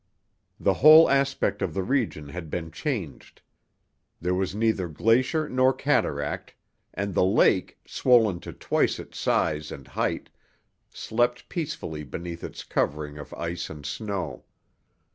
The whole aspect of the region had been changed; there was neither glacier nor cataract, and the lake, swollen to twice its size and height, slept peacefully beneath its covering of ice and snow.